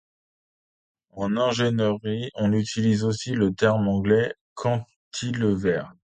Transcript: En ingénierie, on utilise aussi le terme anglais cantilever.